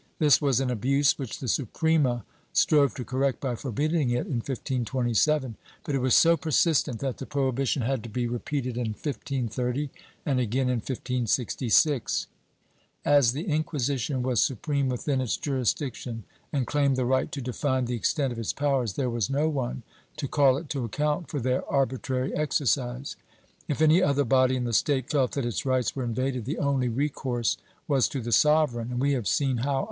This was an abuse which the Suprema strove to correct by forbidding it in 1527, but it was so persistent that the prohibition had to be repeated in 1530 and again in 1566.^ As the Inquisition was supreme within its jurisdiction and claimed the right to define the extent of its powers, there was no one to call it to account for their arbitrary exercise. If any other body in the State felt that its rights were invaded, the only recourse was to the sovereign and we have seen how.